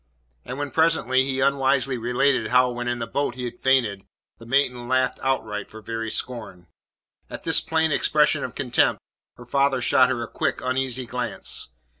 And when, presently, he unwisely related how, when in the boat he had fainted, the maiden laughed outright for very scorn. At this plain expression of contempt, her father shot her a quick, uneasy glance.